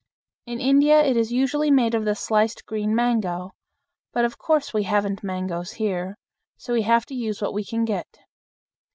In India it is usually made of the sliced green mango; but of course we haven't mangoes here, so we have to use what we can get.